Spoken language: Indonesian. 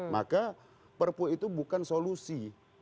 maka perpu itu bukan solusi